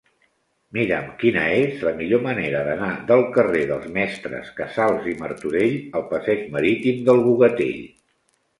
Mira'm quina és la millor manera d'anar del carrer dels Mestres Casals i Martorell al passeig Marítim del Bogatell.